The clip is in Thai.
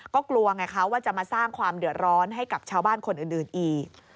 ก็กลัวไงคะว่าจะมาสร้างความเดือดร้อนให้กับชาวบ้านคนอื่นอีก